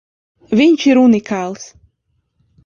Viņš ir unikāls!